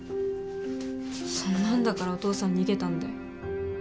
そんなんだからお父さん逃げたんだよ。